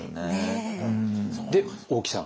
で大木さん。